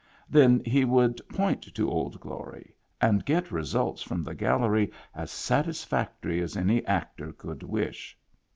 Then he would point to Old Glory, and get re sults from the gallery as satisfactory as any actor could wish.